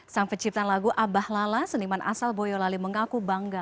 sang pencipta lagu abah lala seniman asal boyolali mengaku bangga